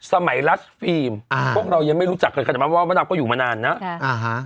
สมัยรัสฟิล์มพวกเรายังไม่รู้จักเพราะฉะนั้นพระนับก็อยู่มานานนะอ่าฮะ